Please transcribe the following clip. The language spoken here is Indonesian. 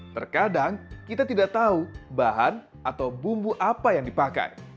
terkadang kita tidak tahu bahan atau bumbu apa yang dipakai